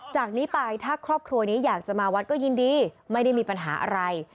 จากนี้ไปถ้าครอบครัวนี้อยากจะมาวัดก็ยินดีไม่ได้มีปัญหาอะไร